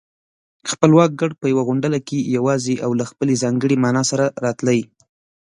خپلواک گړ په يوه غونډله کې يواځې او له خپلې ځانګړې مانا سره راتلای